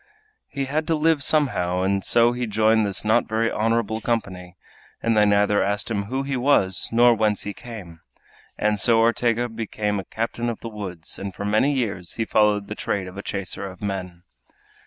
He had to live somehow, and so he joined this not very honorable company; they neither asked him who he was nor whence he came, and so Ortega became a captain of the woods, and for many years he followed the trade of a chaser of men.